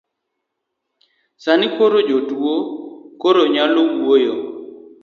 Sani koro jatuo koro nyalo wuoyo